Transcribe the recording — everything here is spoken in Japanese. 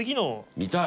見たい！